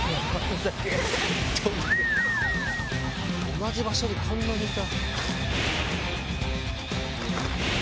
同じ場所でこんなにいた！